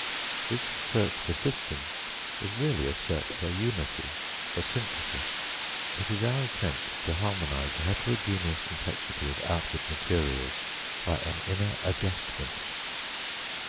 This search for system is really a search for unity, for synthesis; it is our attempt to harmonise the heterogeneous complexity of outward materials by an inner adjustment.